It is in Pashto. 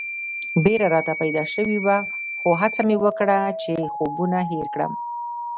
بېره راته پیدا شوې وه خو هڅه مې وکړه چې خوبونه هېر کړم.